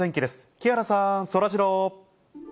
木原さん、そらジロー。